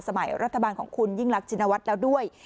สมัยรัฐบาลของคุณยิ่งรักชินวัฒน์แล้วด้วย